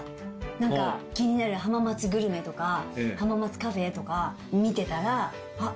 なんか気になる浜松グルメとか浜松カフェとか見てたらあっ